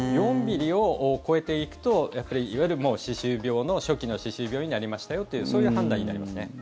４ｍｍを超えていくとやっぱりいわゆるもう初期の歯周病になりましたよというそういう判断になりますね。